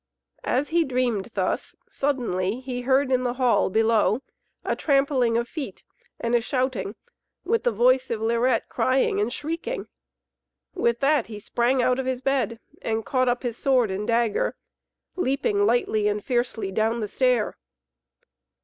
As he dreamed thus, suddenly he heard in the hall below a trampling of feet and a shouting, with the voice of Lirette crying and shrieking. With that he sprang out of his bed, and caught up his sword and dagger, leaping lightly and fiercely down the stair.